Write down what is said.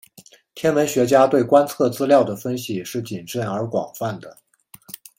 天文学家对观测资料的分析是谨慎而广泛的。